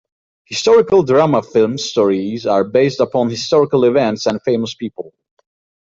Historical drama film stories are based upon historical events and famous people.